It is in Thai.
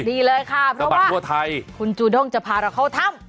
ดีเลยค่ะสะบัดทั่วไทยคุณจูด้งจะพาเราเข้าถ้ำ